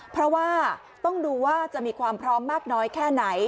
เพราะว่าต้องดูว่าจะมีความพร้อมมากน้อยแค่ไหน